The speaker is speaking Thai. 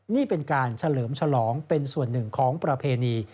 นี่เป็นการเฉลิมฉลองเป็นส่วนหนึ่งของประเพณี